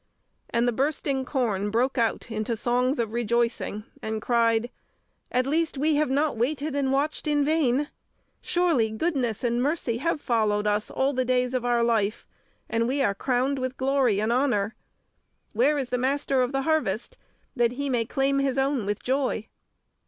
And the bursting corn broke out into songs of rejoicing, and cried, "At least we have not waited and watched in vain! Surely goodness and mercy have followed us all the days of our life, and we are crowned with glory and honour. Where is the Master of the Harvest, that he may claim his own with joy?"